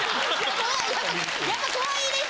怖いやっぱ怖いです。